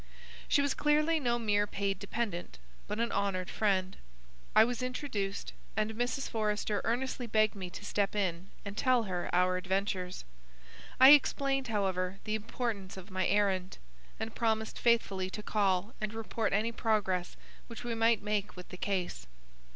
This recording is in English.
She was clearly no mere paid dependant, but an honoured friend. I was introduced, and Mrs. Forrester earnestly begged me to step in and tell her our adventures. I explained, however, the importance of my errand, and promised faithfully to call and report any progress which we might make with the case.